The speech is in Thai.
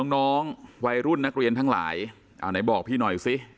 น้องวัยรุ่นนักเรียนทั้งหลายเอาไหนบอกพี่หน่อยสิ